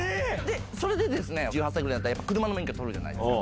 それでですね、１８歳ぐらいになったら、やっぱり車の免許取るじゃないですか。